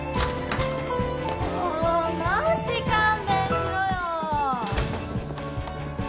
もうマジ勘弁しろよ